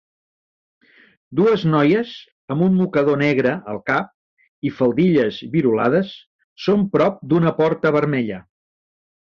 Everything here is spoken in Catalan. Dues noies amb un mocador negre al cap i faldilles virolades són prop d'una porta vermella